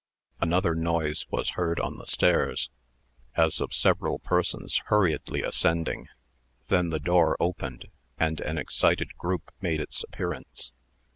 Another noise was heard on the stairs, as of several persons hurriedly ascending. Then the door opened, and an excited group made its appearance.